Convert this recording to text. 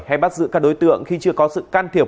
hay bắt giữ các đối tượng khi chưa có sự can thiệp